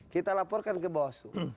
kita laporkan ke bawastu